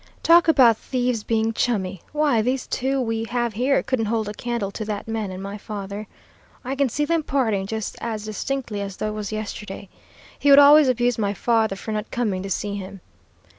Talk about thieves being chummy; why, these two we have here couldn't hold a candle to that man and my father. I can see them parting just as distinctly as though it was yesterday. He would always abuse my father for not coming to see him.